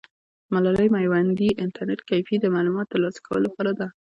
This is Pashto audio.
ملالۍ میوندي انټرنیټ کیفې د معلوماتو ترلاسه کولو لپاره ده.